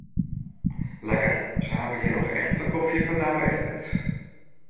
Lekker, se hawwe hjir noch echte kofje fan Douwe Egberts.